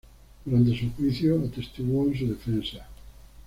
Durante su juicio, atestiguó en su defensa.